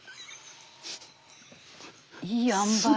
いいあんばい。